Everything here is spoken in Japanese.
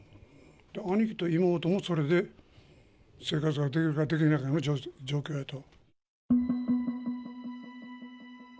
兄貴と妹も、それで生活ができるかできへんかの状況やと。